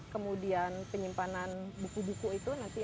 kemudian penyimpanan buku buku itu nanti